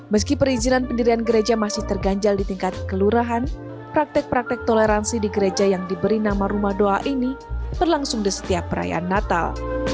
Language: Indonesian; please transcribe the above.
meski perizinan pendirian gereja masih terganjal di tingkat kelurahan praktek praktek toleransi di gereja yang diberi nama rumah doa ini berlangsung di setiap perayaan natal